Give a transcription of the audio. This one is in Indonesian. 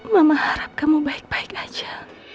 mama harap kamu baik baik aja